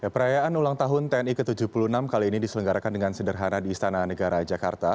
perayaan ulang tahun tni ke tujuh puluh enam kali ini diselenggarakan dengan sederhana di istana negara jakarta